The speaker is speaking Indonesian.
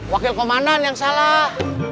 wakil komandan yang salah